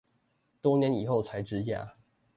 多年以後才植牙